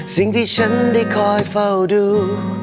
สิ่งที่ฉันได้คอยเฝ้าดู